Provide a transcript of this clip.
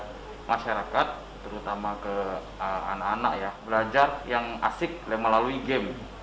kami ingin memberikan pendapat kepada masyarakat terutama ke anak anak ya belajar yang asik melalui game